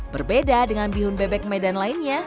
berbeda dengan bihun bebek medan lainnya